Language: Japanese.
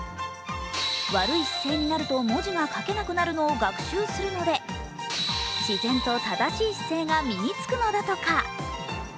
悪い姿勢になると文字が書けなくなるのを学習するので自然と正しい姿勢が身に付くのだとか。